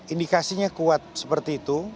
indikasinya kuat seperti itu